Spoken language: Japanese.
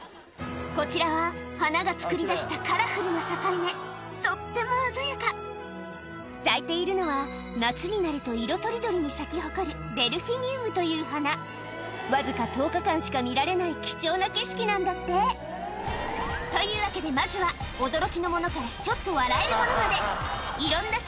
こちらは花がつくり出したカラフルな境目とっても鮮やか咲いているのは夏になると色とりどりに咲き誇るわずか１０日間しか見られない貴重な景色なんだってというわけでまずはどどっとご紹介